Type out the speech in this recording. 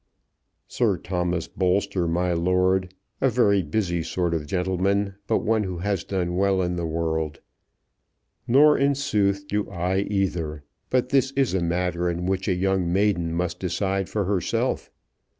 "Sir Thomas Bolster, my lord; a very busy sort of gentleman, but one who has done well in the world. Nor in sooth do I either; but this is a matter in which a young maiden must decide for herself.